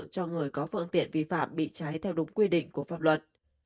cho người có phương tiện vi phạm bị cháy theo đúng quy định của pháp luật